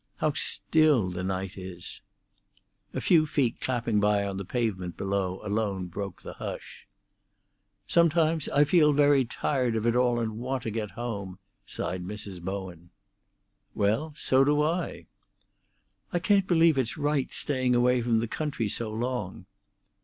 "How still the night is!" A few feet clapping by on the pavement below alone broke the hush. "Sometimes I feel very tired of it all, and want to get home," sighed Mrs. Bowen. "Well, so do I." "I can't believe it's right staying away from the country so long."